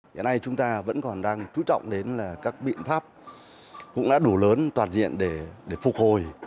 hiện nay chúng ta vẫn còn đang chú trọng đến là các biện pháp cũng đã đủ lớn toàn diện để phục hồi